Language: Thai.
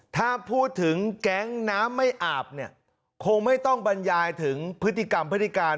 ถ้าพูดถึงแก๊งน้ำไม่อาบเนี่ยคงไม่ต้องบรรยายถึงพฤติกรรมพฤติการ